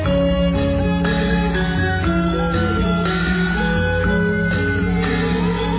ขอร้องจิตอุทิตตัวต่อยหัวใจฮึกป่อย